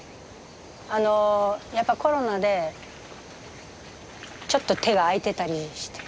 あのやっぱコロナでちょっと手が空いてたりして。